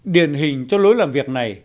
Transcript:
điển hình cho lối làm việc này